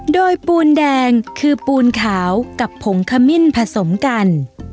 โดยปูนแดงคือปูนขาวกับผงขมิ้นผสมกัน